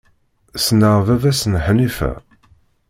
Ssneɣ baba-s n Ḥnifa.